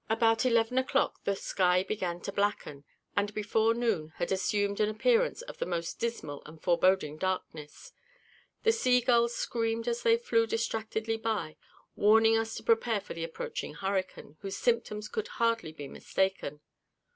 About eleven o'clock the sky began to blacken; and, before noon, had assumed an appearance of the most dismal and foreboding darkness; the sea gulls screamed as they flew distractedly by, warning us to prepare for the approaching hurricane, whose symptoms could hardly be mistaken.